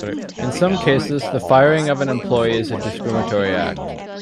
In some cases, the firing of an employee is a discriminatory act.